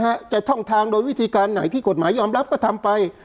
จะท่องทางโดยวิธีการไหนที่กฎหมายยอมรับก็ทำไป